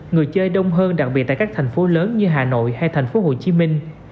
người chơi đông hơn đặc biệt tại các thành phố lớn như hà nội hay thành phố hồ chí minh